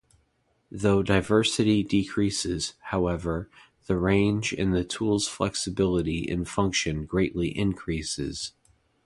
Though diversity decreases, however, the range in the tool's flexibility in function greatly increases.